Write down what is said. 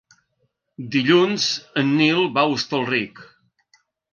Dilluns en Nil va a Hostalric.